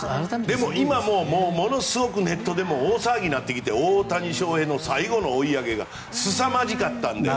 でも、今ものすごくネットでも大騒ぎになってきて大谷翔平の最後の追い上げがすさまじかったので。